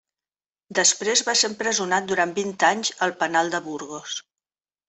Després, va ser empresonat durant vint anys al penal de Burgos.